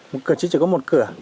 một cửa chính chỉ có một cửa